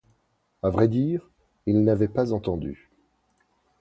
À vrai dire, il n'avait pas entendu.